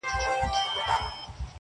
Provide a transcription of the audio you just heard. مُلا وویل سلطانه ستا قربان سم!.